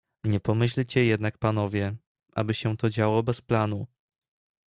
"Nie pomyślcie jednak panowie, aby się to działo bez planu."